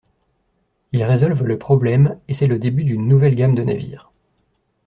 Ils résolvent le problème et c'est le début d'une nouvelle gamme de navires.